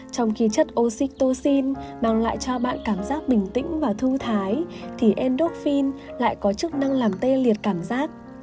trong khi chất oxytoxin mang lại cho bạn cảm giác bình tĩnh và thư thái thì endoffin lại có chức năng làm tê liệt cảm giác